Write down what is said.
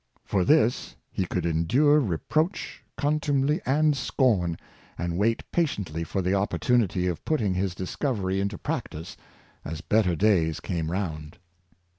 For this he could endure reproach, contumely and scorn, and wait patiently for the opportunity of putting his discove ry into practice as better days came round.